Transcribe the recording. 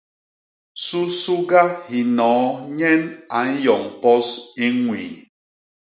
Susuga hinoo nyen a nyoñ pos i ñwii.